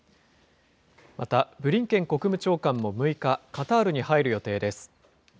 また、ブリンケン国務長官も６日、カタールに入る予定です。